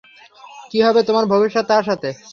কি হবে তোমার ভবিষ্যৎ তার সাথে?